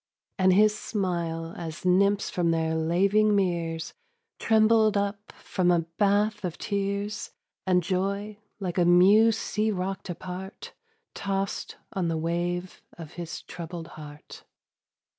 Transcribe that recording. And his smile, as nymphs from their laving meres, Trembled up from a bath of tears; And joy, like a mew sea rocked apart, Tossed on the wave of his troubled heart.